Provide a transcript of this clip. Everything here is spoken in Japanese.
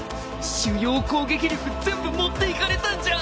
主要攻撃力全部持っていかれたんじゃ。